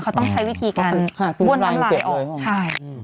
เขาต้องใช้วิธีการบ้วนน้ำลายออกใช่